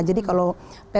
jadi kalau pt